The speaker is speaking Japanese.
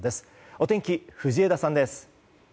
お天気、藤枝さんです。